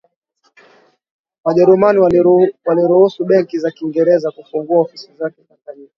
wajerumani waliruhusu benki za kiingereza kufungua ofisi zake tanganyika